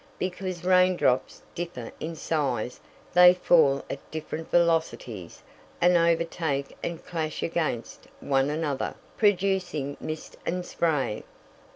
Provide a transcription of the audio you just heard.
Because raindrops differ in size they fall at different velocities and overtake and clash against one another, producing mist and spray.